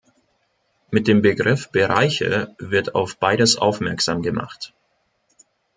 Mit dem Begriff Bereiche wird auf beides aufmerksam gemacht.